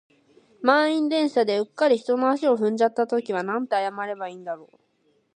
満員電車で、うっかり人の足を踏んじゃった時はなんて謝ればいいんだろう。